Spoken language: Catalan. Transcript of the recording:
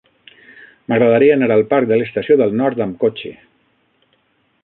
M'agradaria anar al parc de l'Estació del Nord amb cotxe.